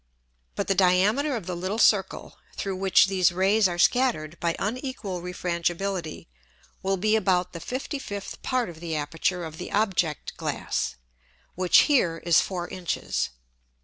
But the Diameter of the little Circle, through which these Rays are scattered by unequal Refrangibility, will be about the 55th Part of the Aperture of the Object glass, which here is four Inches.